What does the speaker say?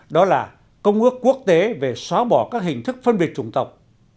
đó là công ước quốc tế về xóa bỏ các hình thức phân biệt chủng tộc